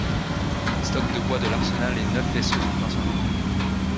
Les stocks de bois de l'arsenal et neuf vaisseaux sont incendiés.